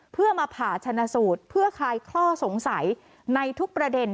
เพื่อมาผ่าชนะสูตรเพื่อคลายข้อสงสัยในทุกประเด็น